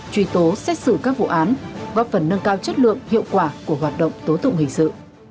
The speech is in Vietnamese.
truy tố xét xử các vụ án góp phần nâng cao chất lượng hiệu quả của hoạt động tố tụng hình sự